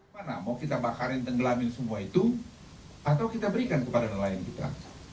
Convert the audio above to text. mana mau kita bakarin tenggelamin semua itu atau kita berikan kepada nelayan kita